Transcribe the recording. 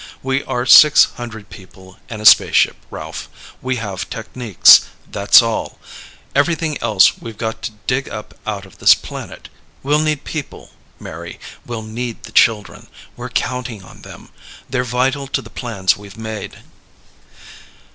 We are six hundred people and a spaceship, Ralph. We have techniques. That's all. Everything else we've got to dig up out of this planet. We'll need people, Mary; we'll need the children. We're counting on them. They're vital to the plans we've made."